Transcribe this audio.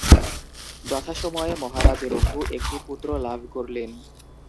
যথাসময়ে মহারাজ রঘু একটি পুত্র লাভ করলেন।